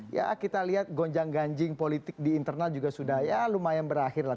ya kita lihat gonjang ganjing politik di internal juga sudah ya lumayan berakhir lah